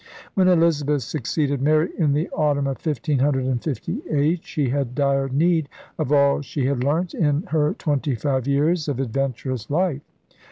When Elizabeth succeeded Mary in the autumn of 1558, she had dire need of all she had learnt in her twenty five years of adventurous life.